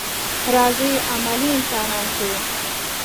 راځئ عملي انسانان شو.